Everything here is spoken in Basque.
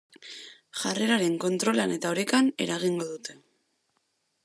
Jarreraren kontrolean eta orekan eragingo dute.